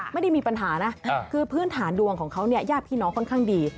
ไม่ได้มีปัญหานะคือพื้นฐานดวงของเขาเนี่ยญาติพี่น้องค่อนข้างดี